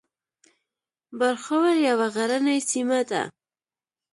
برښور یوه غرنۍ سیمه ده